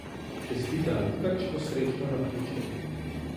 Čestitam, kakšno srečno naključje.